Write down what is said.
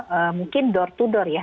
mungkin door to door ya